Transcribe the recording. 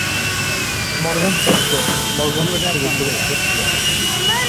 Morgan captain Morgan হিসেবে পরিচিত ছিলেন।